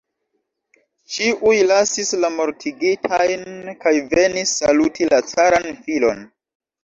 Ĉiuj lasis la mortigitajn kaj venis saluti la caran filon.